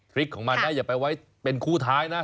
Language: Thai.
พลิกของมันนะอย่าไปไว้เป็นคู่ท้ายนะ